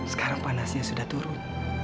sekarang panasnya sudah turun